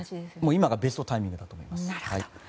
今がベストタイミングだと思います。